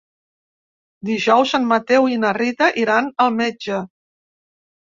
Dijous en Mateu i na Rita iran al metge.